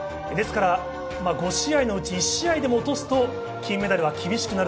５試合のうち１試合でも落とすと金メダルは厳しくなる。